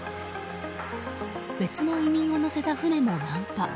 別の移民を乗せた船も難破。